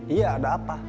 iya ada apa